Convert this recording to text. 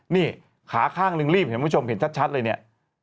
นี่ขาข้างลึงลีบเห็นประชุมเห็นชัดเลยเนี่ย